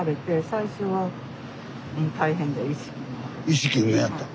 意識不明やったん？